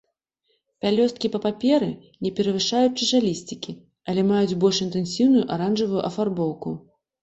Пялёсткі па памеры не перавышаюць чашалісцікі, але маюць больш інтэнсіўную аранжавую афарбоўку.